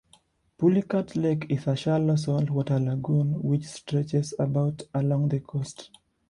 Pulicat lake is a shallow salt water lagoon which stretches about along the coast.